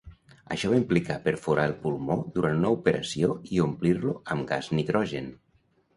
Això va implicar perforar el pulmó durant una operació i omplir-lo amb gas nitrogen.